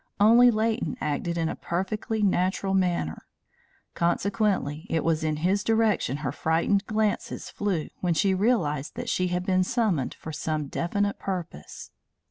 Only Leighton acted in a perfectly natural manner; consequently it was in his direction her frightened glances flew when she realised that she had been summoned for some definite purpose.